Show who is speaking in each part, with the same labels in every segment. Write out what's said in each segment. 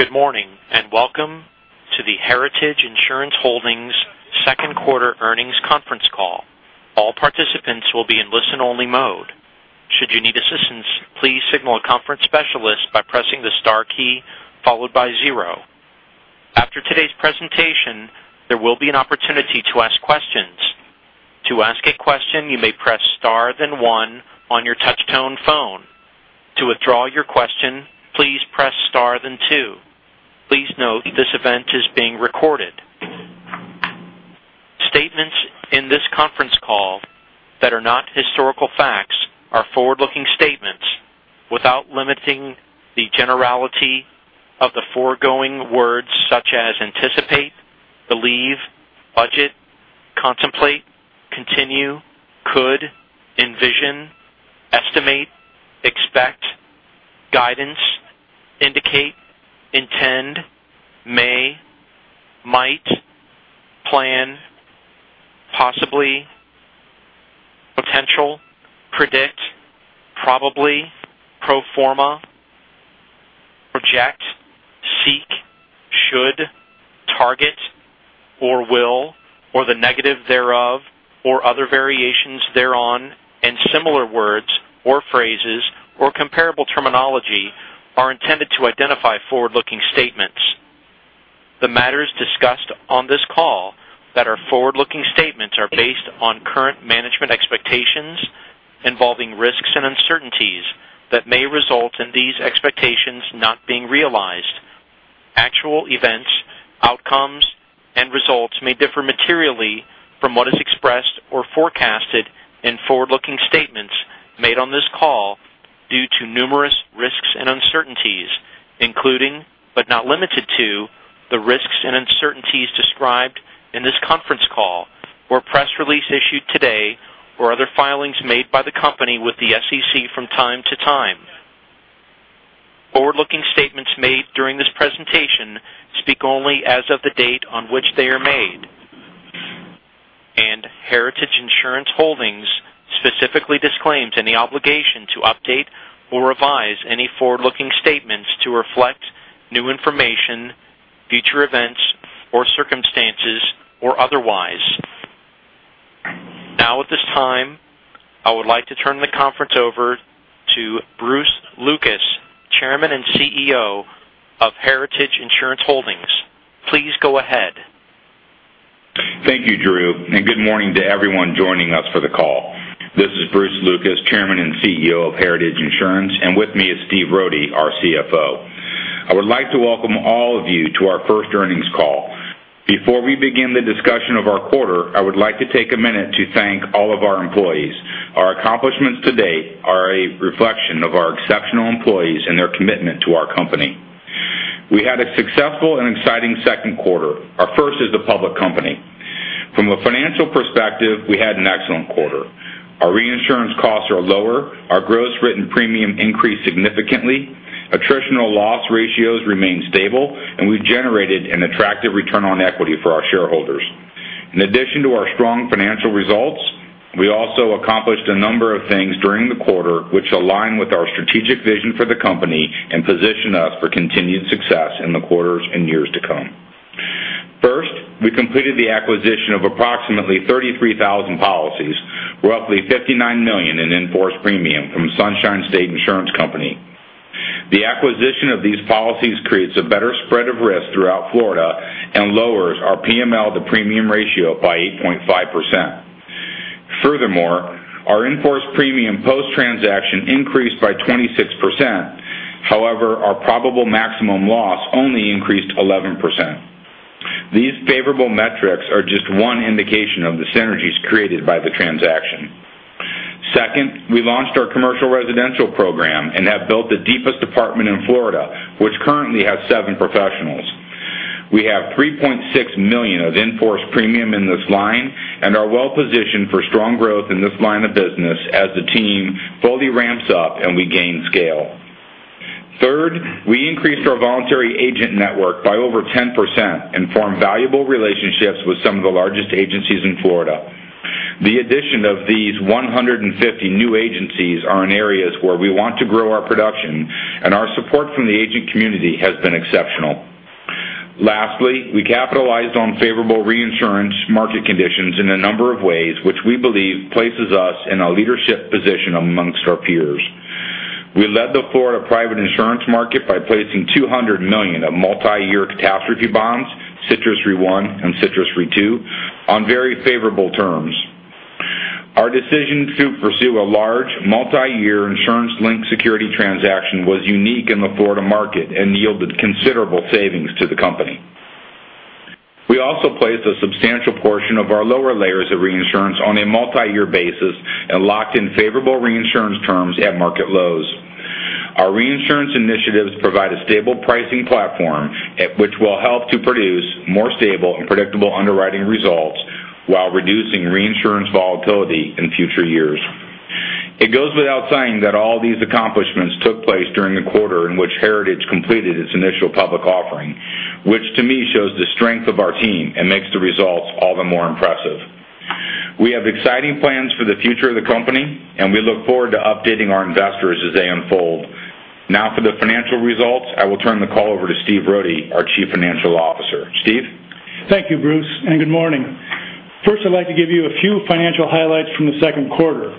Speaker 1: Good morning, and welcome to the Heritage Insurance Holdings second quarter earnings conference call. All participants will be in listen-only mode. Should you need assistance, please signal a conference specialist by pressing the star key, followed by zero. After today's presentation, there will be an opportunity to ask questions. To ask a question, you may press star then one on your touch tone phone. To withdraw your question, please press star then two. Please note, this event is being recorded. Statements in this conference call that are not historical facts are forward-looking statements without limiting the generality of the foregoing words such as anticipate, believe, budget, contemplate, continue, could, envision, estimate, expect, guidance, indicate, intend, may, might, plan, possibly, potential, predict, probably, pro forma, project, seek, should, target, or will, or the negative thereof, or other variations thereon, and similar words or phrases or comparable terminology are intended to identify forward-looking statements. The matters discussed on this call that are forward-looking statements are based on current management expectations involving risks and uncertainties that may result in these expectations not being realized. Actual events, outcomes, and results may differ materially from what is expressed or forecasted in forward-looking statements made on this call due to numerous risks and uncertainties, including, but not limited to, the risks and uncertainties described in this conference call or press release issued today, or other filings made by the company with the SEC from time to time. Forward-looking statements made during this presentation speak only as of the date on which they are made. Heritage Insurance Holdings specifically disclaims any obligation to update or revise any forward-looking statements to reflect new information, future events or circumstances, or otherwise. Now, at this time, I would like to turn the conference over to Bruce Lucas, Chairman and CEO of Heritage Insurance Holdings. Please go ahead.
Speaker 2: Thank you, Drew, and good morning to everyone joining us for the call. This is Bruce Lucas, Chairman and CEO of Heritage Insurance, and with me is Steve Rohde, our CFO. I would like to welcome all of you to our first earnings call. Before we begin the discussion of our quarter, I would like to take a minute to thank all of our employees. Our accomplishments to date are a reflection of our exceptional employees and their commitment to our company. We had a successful and exciting second quarter, our first as a public company. From a financial perspective, we had an excellent quarter. Our reinsurance costs are lower. Our gross written premium increased significantly. Attritional loss ratios remain stable, and we've generated an attractive return on equity for our shareholders. In addition to our strong financial results, we also accomplished a number of things during the quarter, which align with our strategic vision for the company and position us for continued success in the quarters and years to come. First, we completed the acquisition of approximately 33,000 policies, roughly $59 million in in-force premium from Sunshine State Insurance Company. The acquisition of these policies creates a better spread of risk throughout Florida and lowers our PML-to-premium ratio by 8.5%. Furthermore, our in-force premium post-transaction increased by 26%. However, our probable maximum loss only increased 11%. These favorable metrics are just one indication of the synergies created by the transaction. Second, we launched our commercial residential program and have built the deepest department in Florida, which currently has seven professionals. We have $3.6 million of in-force premium in this line and are well-positioned for strong growth in this line of business as the team fully ramps up, and we gain scale. Third, we increased our voluntary agent network by over 10% and formed valuable relationships with some of the largest agencies in Florida. The addition of these 150 new agencies are in areas where we want to grow our production, and our support from the agent community has been exceptional. Lastly, we capitalized on favorable reinsurance market conditions in a number of ways, which we believe places us in a leadership position amongst our peers. We led the Florida private insurance market by placing $200 million of multi-year catastrophe bonds, Citrus Re-1 and Citrus Re-2, on very favorable terms. Our decision to pursue a large multi-year insurance-linked security transaction was unique in the Florida market and yielded considerable savings to the company. We also placed a substantial portion of our lower layers of reinsurance on a multi-year basis and locked in favorable reinsurance terms at market lows. Our reinsurance initiatives provide a stable pricing platform which will help to produce more stable and predictable underwriting results while reducing reinsurance volatility in future years. It goes without saying that all these accomplishments took place during the quarter in which Heritage completed its initial public offering, which to me shows the strength of our team and makes the results all the more impressive. We have exciting plans for the future of the company, and we look forward to updating our investors as they unfold. Now for the financial results, I will turn the call over to Steve Rohde, our chief financial officer. Steve?
Speaker 3: Thank you, Bruce, and good morning. First, I'd like to give you a few financial highlights from the second quarter.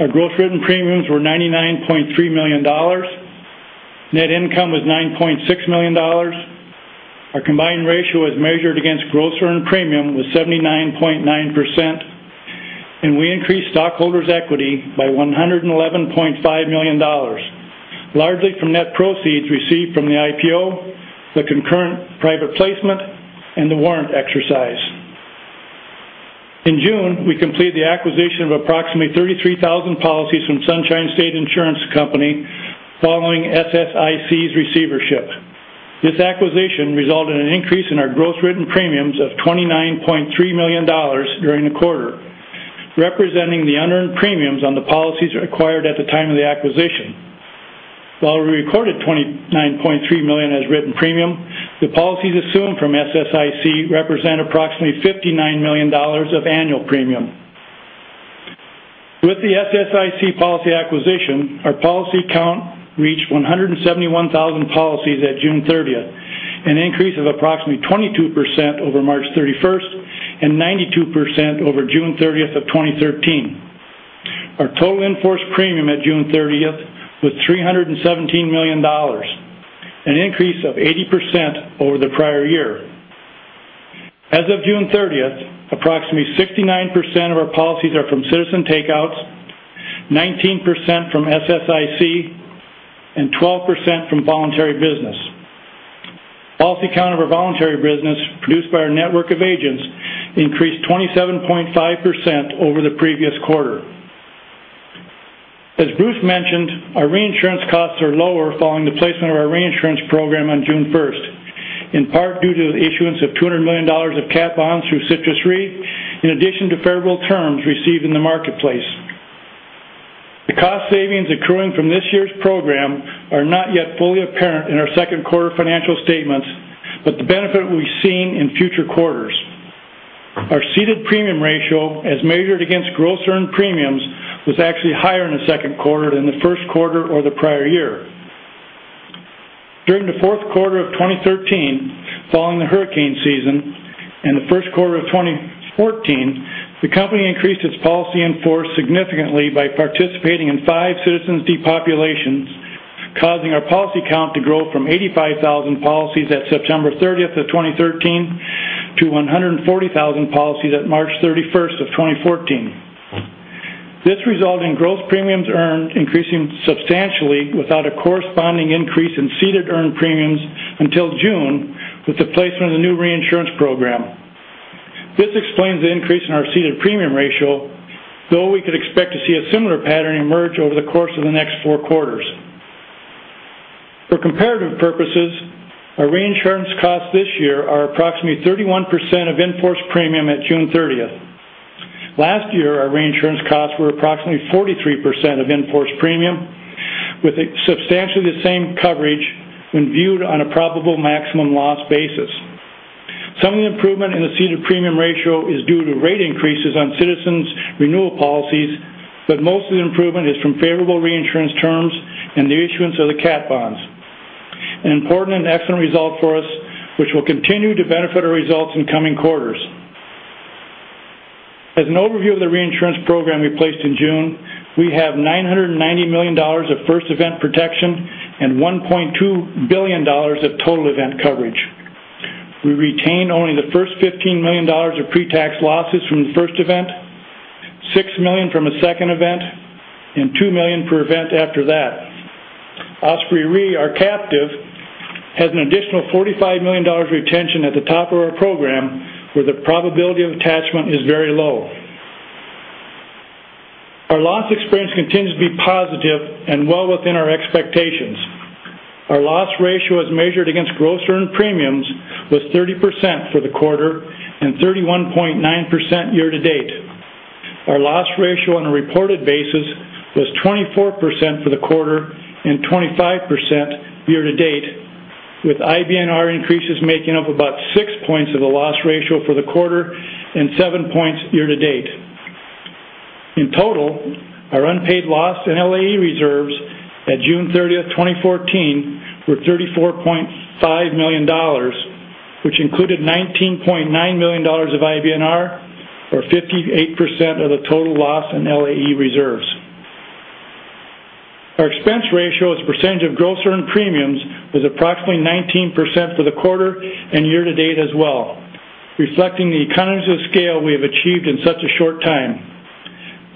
Speaker 3: Our gross written premiums were $99.3 million. Net income was $9.6 million. Our combined ratio as measured against gross earned premium was 79.9%, and we increased stockholders' equity by $111.5 million, largely from net proceeds received from the IPO, the concurrent private placement, and the warrant exercise. In June, we completed the acquisition of approximately 33,000 policies from Sunshine State Insurance Company following SSIC's receivership. This acquisition resulted in an increase in our gross written premiums of $29.3 million during the quarter, representing the unearned premiums on the policies acquired at the time of the acquisition. While we recorded $29.3 million as written premium, the policies assumed from SSIC represent approximately $59 million of annual premium. With the SSIC policy acquisition, our policy count reached 171,000 policies at June 30th, an increase of approximately 22% over March 31st and 92% over June 30th of 2013. Our total in-force premium at June 30th was $317 million, an increase of 80% over the prior year. As of June 30th, approximately 69% of our policies are from Citizens takeouts, 19% from SSIC, and 12% from voluntary business. Policy count of our voluntary business produced by our network of agents increased 27.5% over the previous quarter. As Bruce mentioned, our reinsurance costs are lower following the placement of our reinsurance program on June 1st, in part due to the issuance of $200 million of cat bonds through Citrus Re, in addition to favorable terms received in the marketplace. The cost savings accruing from this year's program are not yet fully apparent in our second quarter financial statements, the benefit will be seen in future quarters. Our ceded premium ratio as measured against gross earned premiums, was actually higher in the second quarter than the first quarter or the prior year. During the fourth quarter of 2013, following the hurricane season, and the first quarter of 2014, the company increased its policy in force significantly by participating in five Citizens depopulations, causing our policy count to grow from 85,000 policies at September 30th of 2013 to 140,000 policies at March 31st of 2014. This resulted in gross premiums earned increasing substantially without a corresponding increase in ceded earned premiums until June with the placement of the new reinsurance program. This explains the increase in our ceded premium ratio, though we could expect to see a similar pattern emerge over the course of the next four quarters. For comparative purposes, our reinsurance costs this year are approximately 31% of in-force premium at June 30th. Last year, our reinsurance costs were approximately 43% of in-force premium, with substantially the same coverage when viewed on a probable maximum loss basis. Some of the improvement in the ceded premium ratio is due to rate increases on Citizens' renewal policies, most of the improvement is from favorable reinsurance terms and the issuance of the cat bonds. An important and excellent result for us, which will continue to benefit our results in coming quarters. As an overview of the reinsurance program we placed in June, we have $990 million of first event protection and $1.2 billion of total event coverage. We retain only the first $15 million of pre-tax losses from the first event, $6 million from a second event, and $2 million per event after that. Osprey Re, our captive, has an additional $45 million retention at the top of our program, where the probability of attachment is very low. Our loss experience continues to be positive and well within our expectations. Our loss ratio as measured against gross earned premiums was 30% for the quarter and 31.9% year-to-date. Our loss ratio on a reported basis was 24% for the quarter and 25% year-to-date, with IBNR increases making up about six points of the loss ratio for the quarter and seven points year-to-date. In total, our unpaid loss in LAE reserves at June 30th, 2014, were $34.5 million, which included $19.9 million of IBNR or 58% of the total loss in LAE reserves. Our expense ratio as a percentage of gross earned premiums was approximately 19% for the quarter and year-to-date as well, reflecting the economies of scale we have achieved in such a short time.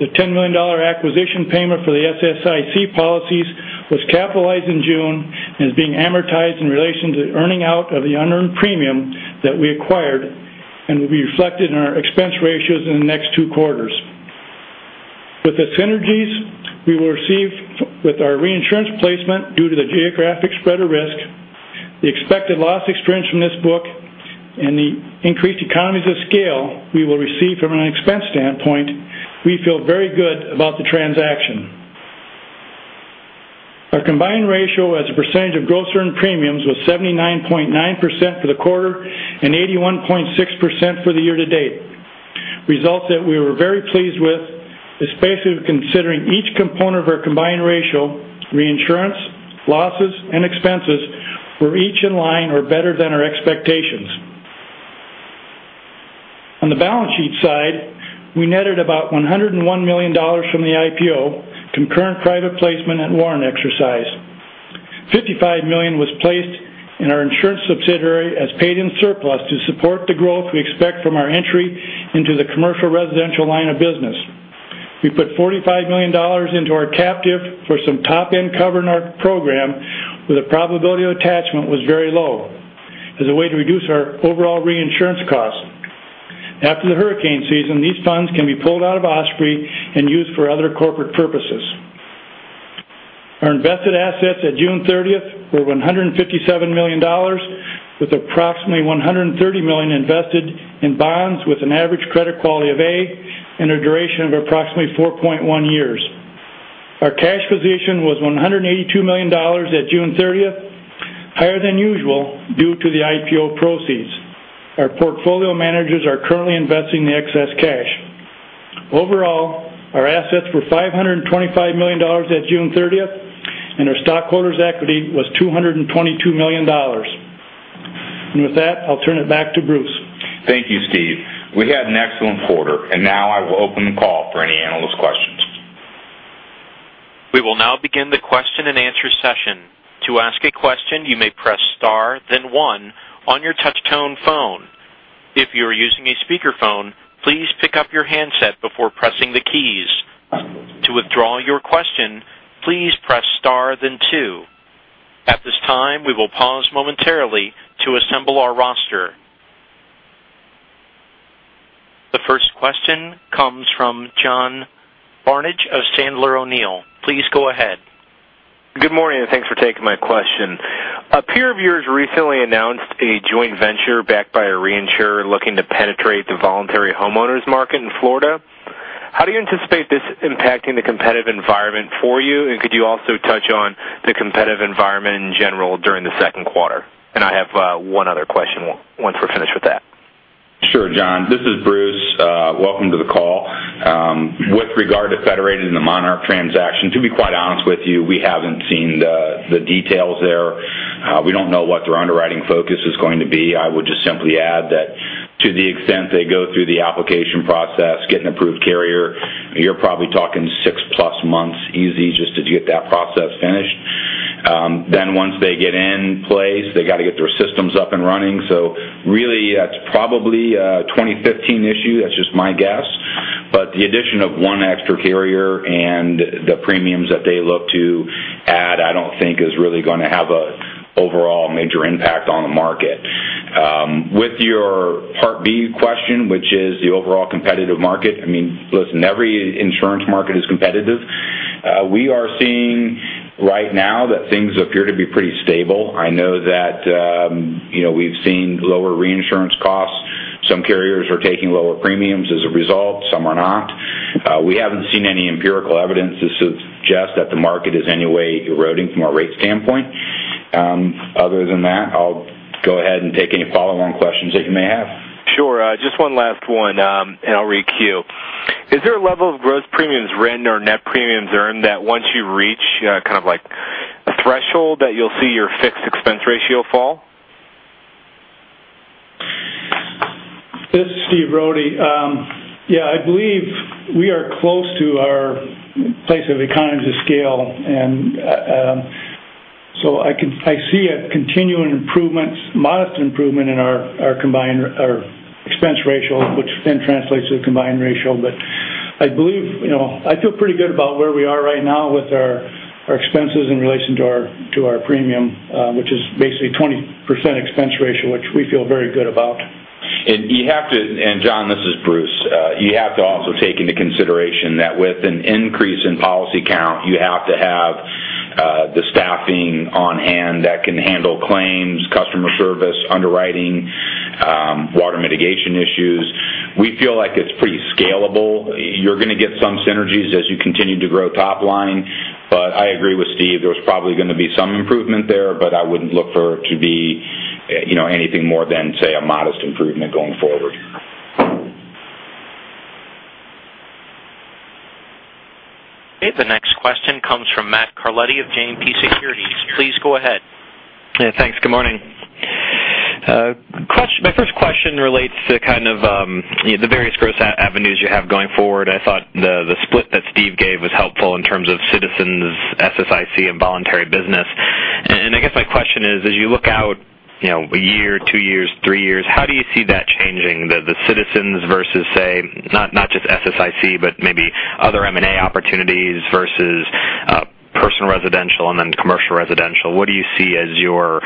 Speaker 3: The $10 million acquisition payment for the SSIC policies was capitalized in June and is being amortized in relation to the earning out of the unearned premium that we acquired and will be reflected in our expense ratios in the next two quarters. With the synergies we will receive with our reinsurance placement due to the geographic spread of risk, the expected loss experience from this book, and the increased economies of scale we will receive from an expense standpoint, we feel very good about the transaction. Our combined ratio as a percentage of gross earned premiums was 79.9% for the quarter and 81.6% for the year-to-date. Results that we were very pleased with, especially considering each component of our combined ratio, reinsurance, losses, and expenses, were each in line or better than our expectations. On the balance sheet side, we netted about $101 million from the IPO, concurrent private placement and warrant exercise. $55 million was placed in our insurance subsidiary as paid in surplus to support the growth we expect from our entry into the commercial residential line of business. We put $45 million into our captive for some top-end cover in our program, where the probability of attachment was very low, as a way to reduce our overall reinsurance costs. After the hurricane season, these funds can be pulled out of Osprey and used for other corporate purposes. Our invested assets at June 30th were $157 million, with approximately $130 million invested in bonds with an average credit quality of A and a duration of approximately 4.1 years. Our cash position was $182 million at June 30th, higher than usual due to the IPO proceeds. Our portfolio managers are currently investing the excess cash. Overall, our assets were $525 million at June 30th, and our stockholders' equity was $222 million. With that, I'll turn it back to Bruce.
Speaker 2: Thank you, Steve. We had an excellent quarter. Now I will open the call for any analyst questions.
Speaker 1: We will now begin the question and answer session. To ask a question, you may press star then one on your touch tone phone. If you are using a speakerphone, please pick up your handset before pressing the keys. To withdraw your question, please press star then two. At this time, we will pause momentarily to assemble our roster. The first question comes from John Barnidge of Sandler O'Neill. Please go ahead.
Speaker 4: Good morning. Thanks for taking my question. A peer of yours recently announced a joint venture backed by a reinsurer looking to penetrate the voluntary homeowners market in Florida. How do you anticipate this impacting the competitive environment for you? Could you also touch on the competitive environment in general during the second quarter? I have one other question once we're finished with that.
Speaker 2: Sure, John. This is Bruce. Welcome to the call. With regard to Federated and the Monarch transaction, to be quite honest with you, we haven't seen the details there. We don't know what their underwriting focus is going to be. I would just simply add that to the extent they go through the application process, get an approved carrier, you're probably talking six-plus months easy just to get that process finished. Once they get in place, they got to get their systems up and running. Really that's probably a 2015 issue. That's just my guess. The addition of one extra carrier and the premiums that they look to add, I don't think is really going to have an overall major impact on the market. With your part B question, which is the overall competitive market, listen, every insurance market is competitive. We are seeing right now that things appear to be pretty stable. I know that we've seen lower reinsurance costs. Some carriers are taking lower premiums as a result, some are not. We haven't seen any empirical evidence to suggest that the market is any way eroding from a rate standpoint. I'll go ahead and take any follow-on questions that you may have.
Speaker 4: Sure. Just one last one, and I'll re-queue. Is there a level of gross premiums written or net premiums earned that once you reach kind of like a threshold, that you'll see your fixed expense ratio fall?
Speaker 3: This is Stephen Rohde. I believe we are close to our place of economies of scale. I see a continuing modest improvement in our expense ratio, which then translates to a combined ratio. I feel pretty good about where we are right now with our expenses in relation to our premium, which is basically 20% expense ratio, which we feel very good about.
Speaker 2: John, this is Bruce. You have to also take into consideration that with an increase in policy count, you have to have the staffing on hand that can handle claims, customer service, underwriting, water mitigation issues. We feel like it's pretty scalable. You're going to get some synergies as you continue to grow top line. I agree with Steve, there's probably going to be some improvement there, but I wouldn't look for it to be anything more than, say, a modest improvement going forward.
Speaker 1: Okay, the next question comes from Matthew Carletti of JMP Securities. Please go ahead.
Speaker 5: Yeah, thanks. Good morning. My first question relates to kind of the various growth avenues you have going forward. I thought the split that Steve gave was helpful in terms of Citizens, SSIC, and voluntary business. I guess my question is, as you look out a year, two years, three years, how do you see that changing? The Citizens versus, say, not just SSIC, but maybe other M&A opportunities versus personal residential and then commercial residential. What do you see as your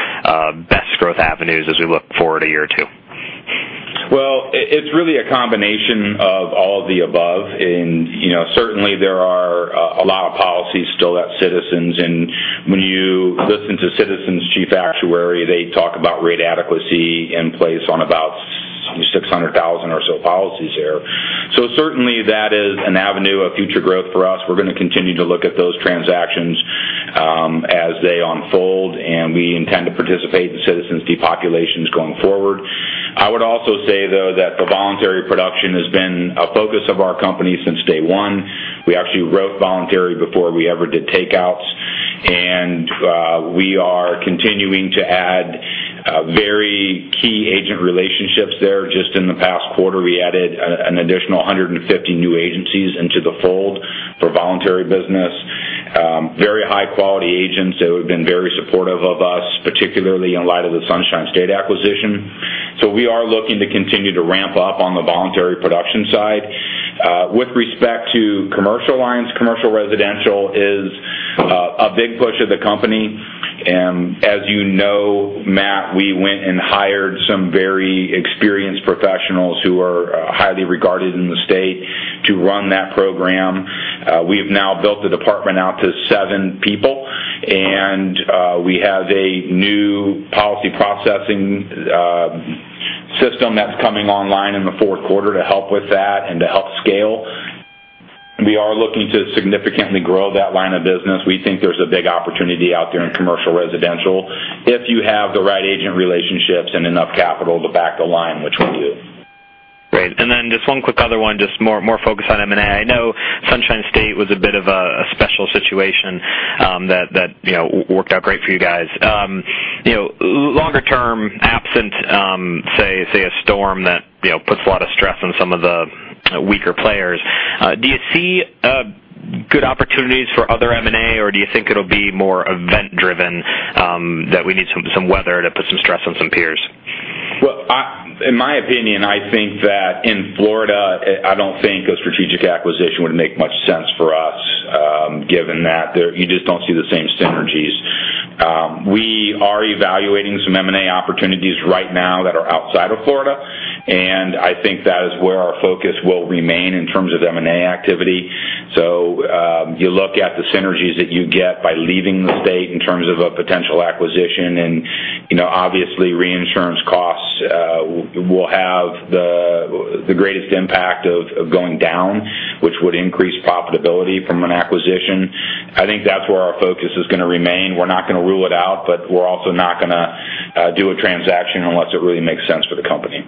Speaker 5: best growth avenues as we look forward a year or two?
Speaker 2: Well, it's really a combination of all of the above, certainly there are a lot of policies still at Citizens, and when you listen to Citizens' chief actuary, they talk about rate adequacy in place on about 600,000. Certainly that is an avenue of future growth for us. We're going to continue to look at those transactions as they unfold, and we intend to participate in Citizens' depopulations going forward. I would also say, though, that the voluntary production has been a focus of our company since day one. We actually wrote voluntary before we ever did takeouts. We are continuing to add very key agent relationships there. Just in the past quarter, we added an additional 150 new agencies into the fold for voluntary business. Very high-quality agents that have been very supportive of us, particularly in light of the Sunshine State acquisition. We are looking to continue to ramp up on the voluntary production side. With respect to commercial lines, commercial residential is a big push of the company. As you know, Matt, we went and hired some very experienced professionals who are highly regarded in the state to run that program. We have now built the department out to seven people. We have a new policy processing system that's coming online in the fourth quarter to help with that and to help scale. We are looking to significantly grow that line of business. We think there's a big opportunity out there in commercial residential if you have the right agent relationships and enough capital to back the line, which we do.
Speaker 5: Great. Just one quick other one, just more focused on M&A. I know Sunshine State was a bit of a special situation that worked out great for you guys. Longer term, absent, say, a storm that puts a lot of stress on some of the weaker players, do you see good opportunities for other M&A, or do you think it'll be more event-driven, that we need some weather to put some stress on some peers?
Speaker 2: In my opinion, I think that in Florida, I don't think a strategic acquisition would make much sense for us given that you just don't see the same synergies. We are evaluating some M&A opportunities right now that are outside of Florida. I think that is where our focus will remain in terms of M&A activity. You look at the synergies that you get by leaving the state in terms of a potential acquisition. Obviously reinsurance costs will have the greatest impact of going down, which would increase profitability from an acquisition. I think that's where our focus is going to remain. We're not going to rule it out, we're also not going to do a transaction unless it really makes sense for the company.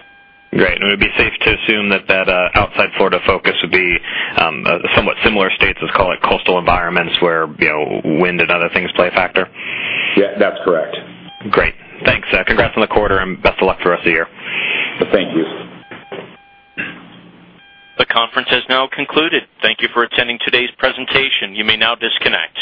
Speaker 5: Great. It would be safe to assume that that outside Florida focus would be somewhat similar states. Let's call it coastal environments where wind and other things play a factor?
Speaker 2: That's correct.
Speaker 5: Great. Thanks. Congrats on the quarter and best of luck for the rest of the year.
Speaker 2: Thank you.
Speaker 1: This conference has now concluded. Thank you for attending today's presentation. You may now disconnect.